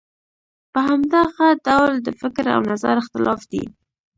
په همدغه ډول د فکر او نظر اختلاف دی.